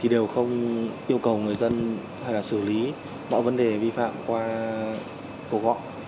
đều không yêu cầu người dân hay xử lý bọn vấn đề vi phạm qua cầu gọi